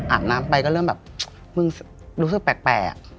อาบน้ำไปก็เริ่มแบบมึงรู้สึกแปลก